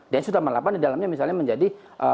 dan sutaman lapan di dalamnya misalnya menjadi